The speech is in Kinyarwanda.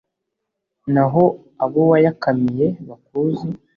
naho abo wayakamiye bakuzi